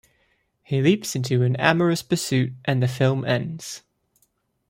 He leaps into an amorous pursuit and the film ends.